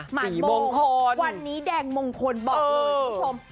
หมายมงคลวันนี้แดงมงคลบอกเลยคุณผู้ชม